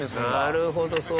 なるほど。